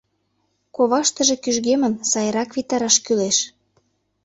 Коваштыже кӱжгемын, сайрак витараш кӱлеш.